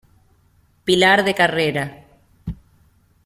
Pilar de Carrera.